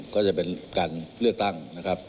ก็จะเป็นการเลือกตั้งนะครับ